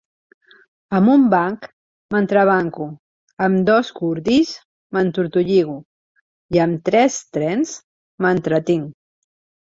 Amb un banc m'entrebanco, amb dos cordills m'entortolligo, i amb tres trens m'entretinc.